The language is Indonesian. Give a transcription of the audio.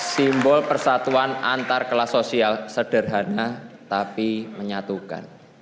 simbol persatuan antarkelas sosial sederhana tapi menyatukan